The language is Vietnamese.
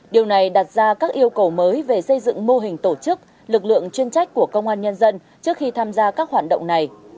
điều này đặt ra các yêu cầu mới về xây dựng mô hình tổ chức lực lượng chuyên trách của công an nhân dân trước khi tham gia các hoạt động này